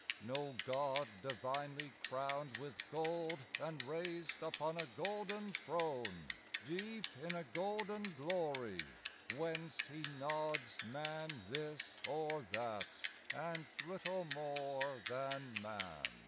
No God divinely crowned With gold and raised upon a golden throne, Deep in a golden glory, whence he nods Man this or that, and little more than man!